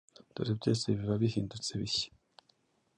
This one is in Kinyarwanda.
dore byose biba bihindutse bishya.”